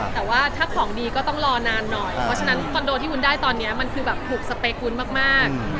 แต่ว่าถ้าของดีก็ต้องรอนานหน่อยเพราะฉะนั้นคอนโดที่คุณได้ตอนนี้มันคือแบบถูกสเปคุณมาก